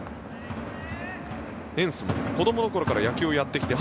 エンスも子どもの頃から野球をやってきて